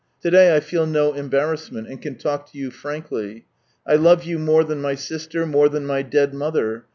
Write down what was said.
To day I feel no embarrassment and can talk to you frankly. I love you more than my sister, more than my dead mother. ..